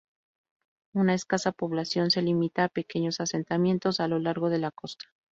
Una escasa población se limita a pequeños asentamientos a lo largo de la costa.